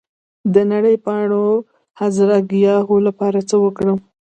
د نرۍ پاڼو هرزه ګیاوو لپاره څه وکړم؟